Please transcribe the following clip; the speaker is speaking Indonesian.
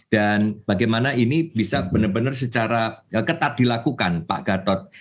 dan bagaimana ini bisa benar benar secara ketat dilakukan pak gatot